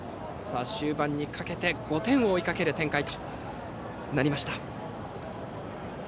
終盤にかけて５点を追いかける展開となりました。